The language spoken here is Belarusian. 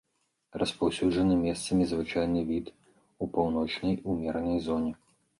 Распаўсюджаны, месцамі звычайны від у паўночнай умеранай зоне.